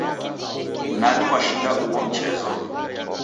Nani washinda ugho mchezo?